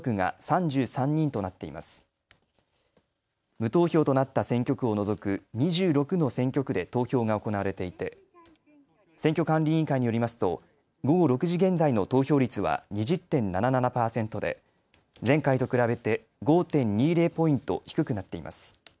無投票となった選挙区を除く２６の選挙区で投票が行われていて選挙管理委員会によりますと午後６時現在の投票率は２０．７７％で前回と比べて５．２０ポイント低くなっています。